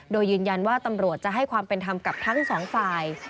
โดยยืนยันว่าตำรวจจะให้ความเป็นธรรมกับทั้งสองฝ่าย